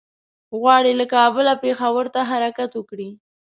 غواړي له کابله پېښور ته حرکت وکړي.